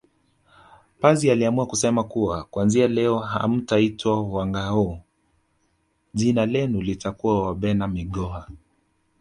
Pazi aliamua kusema kuwa kuanzia leo hamtaitwa Wangâhoo jina lenu litakuwa Wabena migoha